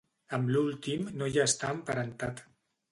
Amb l'últim no hi està emparentat.